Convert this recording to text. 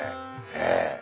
ええ。